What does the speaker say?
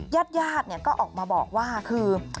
ญาติก็ออกมาบอกว่าคือ